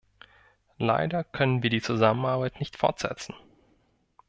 Leider können wir die Zusammenarbeit nicht fortsetzen.